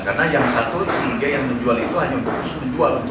karena yang satu si ig yang menjual itu hanya untuk menjual